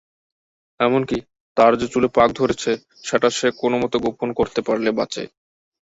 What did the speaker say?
এমন-কি, তার যে চুলে পাক ধরেছে সেটা সে কোনোমতে গোপন করতে পারলে বাঁচে।